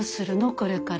これから。